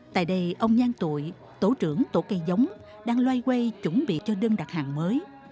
tại đây ông nhan tụi tổ trưởng tổ cây giống đang loay quay chuẩn bị cho đơn đặt hàng mới